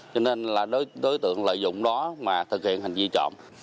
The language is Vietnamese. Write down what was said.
cho nên là đối tượng lợi dụng đó mà thực hiện hành vi trộm